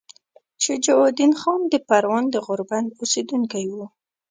شجاع الدین خان د پروان د غوربند اوسیدونکی وو.